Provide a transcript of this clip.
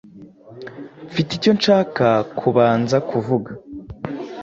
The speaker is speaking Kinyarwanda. Mfite icyo nshaka kubanza kuvuga.